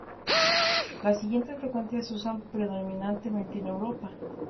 Las siguientes frecuencias se usan predominantemente en Europa.